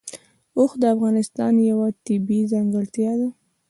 اوښ د افغانستان یوه طبیعي ځانګړتیا ده.